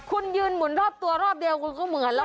คุณยืนหมุนรอบตัวรอบเดียวคุณก็เหมือนแล้ว